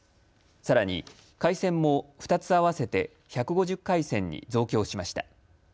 さらに、回線も２つ合わせて１５０回線に増強しました。